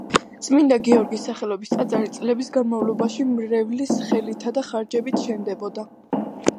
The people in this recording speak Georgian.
წმინდა გიორგის სახელობის ტაძარი წლების განმავლობაში მრევლის ხელითა და ხარჯებით შენდებოდა.